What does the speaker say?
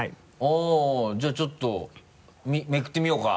あぁじゃあちょっとめくってみようか。